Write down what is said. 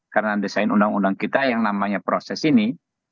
karena desain undang undang kita yang namanya proses ini